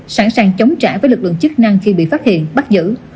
sẵn sàng chống trả với lực lượng chức năng khi bị phát hiện bắt giữ